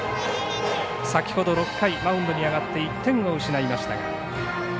先ほど６回、マウンドに上がって１点を失いました。